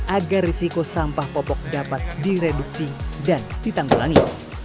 agar risiko sampah popok dapat direduksi dan ditanggulangi